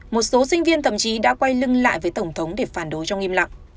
một số sinh viên thậm chí đã quay lưng lại với tổng thống để phản đối trong im lặng